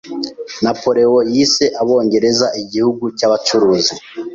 Napoleon yise Abongereza igihugu cyabacuruzi.